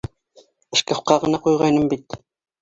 Шкафҡа ғына ҡуйғайным бит!